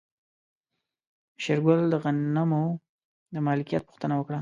شېرګل د غنمو د مالکيت پوښتنه وکړه.